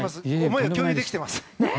思いが共有できています。